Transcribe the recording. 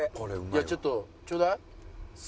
いやちょっとちょうだい。